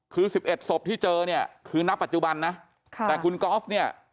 คือ๑๑ศพที่เจอเนี่ยคือณปัจจุบันนะค่ะแต่คุณกอล์ฟเนี่ย